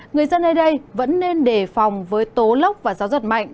người dân nơi đây vẫn nên đề phòng với tố lốc và gió giật mạnh